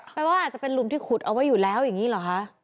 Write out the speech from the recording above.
แปลว่าอาจจะเป็นลุมที่ขุดเอาไว้อยู่แล้วอย่างนี้เหรอคะ